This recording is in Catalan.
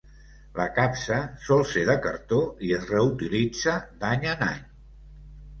La capsa sol ser de cartó i es reutilitza d’any en any.